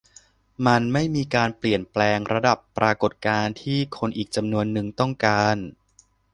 มันไม่มีการเปลี่ยนแปลงระดับปรากฏการณ์ที่คนอีกจำนวนนึงต้องการ